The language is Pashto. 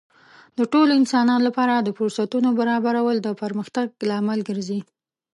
د ټولو انسانانو لپاره د فرصتونو برابرول د پرمختګ لامل ګرځي.